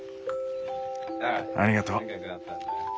ありがとう。